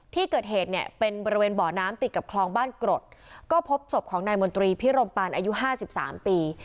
ที่เกิดเหตุเนี่ยเป็นบริเวณบ่อน้ำติดกับคลองบ้านกรดก็พบศพของนายมนตรีพิรมปานอายุห้าสิบสามปี